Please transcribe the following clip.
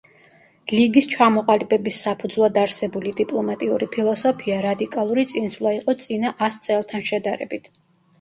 ლიგის ჩამოყალიბების საფუძვლად არსებული დიპლომატიური ფილოსოფია რადიკალური წინსვლა იყო წინა ას წელთან შედარებით.